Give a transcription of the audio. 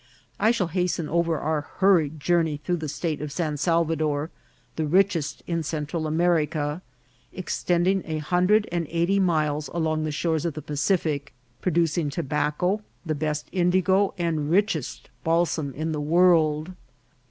I shall hasten over our hurried journey through the State of San Salvador, the richest in Central America, extending a hundred and eighty miles along the shores of the Pacific, producing tobac co, the best indigo and richest balsam in the world.